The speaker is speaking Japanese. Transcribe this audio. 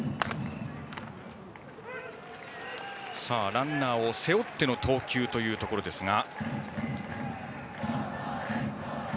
ランナーを背負っての投球というところですが。